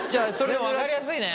でも分かりやすいね。